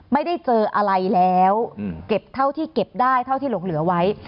ไม่ได้เจออะไรแล้วเก็บเท่าที่เก็บได้เท่าที่หลงเหลือไว้